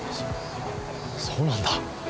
そそうなんだ。